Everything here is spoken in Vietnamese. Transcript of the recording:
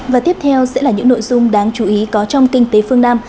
và tiếp theo sẽ là những nội dung đáng chú ý có trong kinh tế phương nam